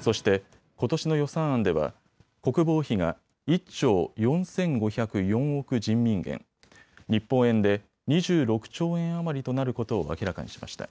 そしてことしの予算案では国防費が１兆４５０４億人民元、日本円で２６兆円余りとなることを明らかにしました。